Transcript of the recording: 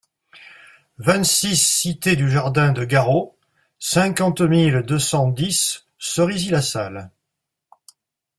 vingt-six cité du Jardin de Garot, cinquante mille deux cent dix Cerisy-la-Salle